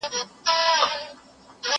هغه وويل چي جواب ورکول مهم دي!!